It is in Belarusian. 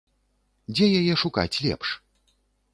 Дзе яе шукаць лепш?